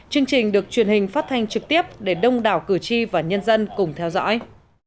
chương trình được truyền hình phát thanh trực tiếp để đông đảo cử tri và nhân dân cùng theo dõi